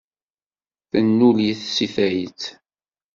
Tennul-it seg tayet.